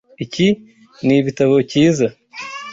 Iki nibitabo cyiza.